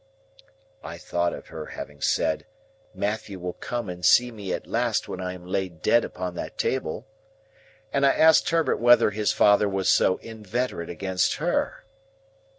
I thought of her having said, "Matthew will come and see me at last when I am laid dead upon that table;" and I asked Herbert whether his father was so inveterate against her?